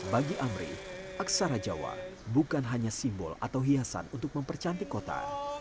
bagi amri aksara jawa bukan hanya simbol atau hiasan untuk mempercantik kota